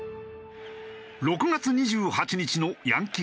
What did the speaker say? ６月２８日のヤンキース戦。